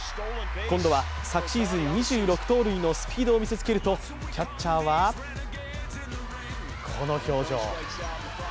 今度は昨シーズン２６盗塁のスピードを見せつけると、キャッチャーは、この表情。